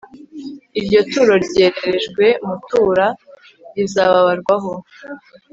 iryo turo ryererejwe mutura rizababarwaho